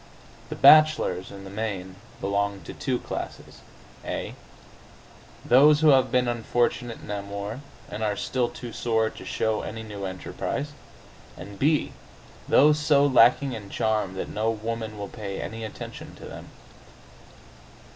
The bachelors, in the main, belong to two classes: (a) those who have been unfortunate in amour, and are still too sore to show any new enterprise, and (b) those so lacking in charm that no woman will pay any attention to them.